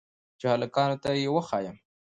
چې هلکانو ته يې وښييم.